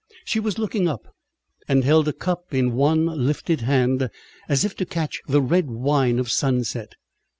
She was looking up, and held a cup in one lifted hand, as if to catch the red wine of sunset.